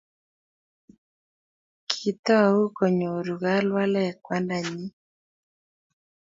Kiitou kunyoru kalwalek kwanda nyin